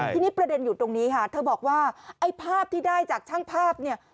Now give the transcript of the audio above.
ทีนี้ประเด็นอยู่ตรงนี้ค่ะเธอบอกว่าไอ้ภาพที่ได้จากช่างภาพเนี่ย